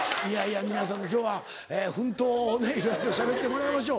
皆さん今日は奮闘をねいろいろしゃべってもらいましょう。